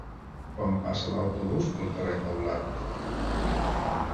Quan passa l'autobús pel carrer Taulat?